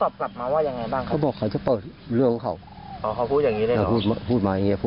พูดมาอย่างนี้แบบอีก